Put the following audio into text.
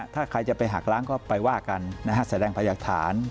ถ้าใครจะไปหักล้างก็ไปว่ากันนะฮะแสดงพยากฐาน